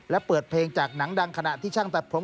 และเปิดเพลงจากหนังดังขณะที่ช่างตัดผม